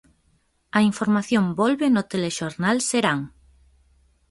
A información volve no Telexornal Serán.